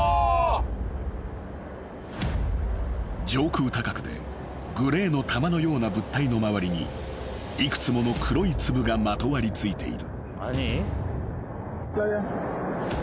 ［上空高くでグレーの玉のような物体の周りに幾つもの黒い粒がまとわりついている］